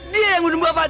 dia yang membunuh bapak